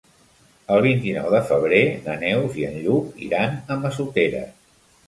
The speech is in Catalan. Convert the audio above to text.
El vint-i-nou de febrer na Neus i en Lluc iran a Massoteres.